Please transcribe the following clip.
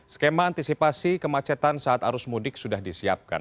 skema antisipasi kemacetan saat arus mudik sudah disiapkan